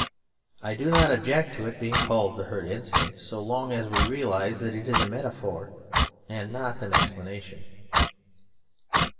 I do not object to it being called 'the herd instinct,' so long as we realise that it is a metaphor and not an explanation.